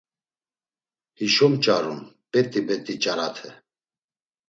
Hişo mç̌arum, bet̆i bet̆i nç̌arate.